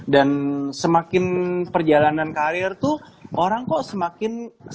dan semakin perjalanan karir tuh orang kok semakin